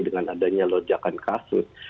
dengan adanya lonjakan kasus